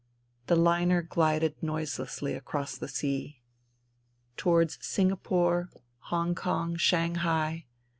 The liner glided noise lessly across the sea. Towards Singapore, Hongkong, Shanghai.